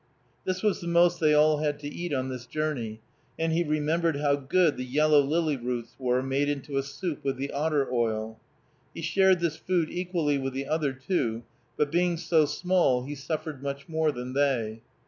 This was the most they all had to eat on this journey, and he remembered how good the yellow lily roots were, made into a soup with the otter oil. He shared this food equally with the other two, but being so small he suffered much more than they.